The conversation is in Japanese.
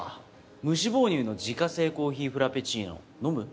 無脂肪乳の自家製コーヒーフラペチーノ飲む？